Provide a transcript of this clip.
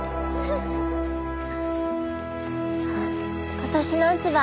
今年の落ち葉